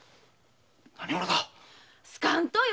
何者だ⁉好かんとよ！